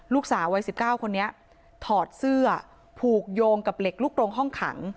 ลูกสาววัย๑๙คนนี้ถอดเสื้อผูกโยงกับเหล็กลูกตรงห้องขัง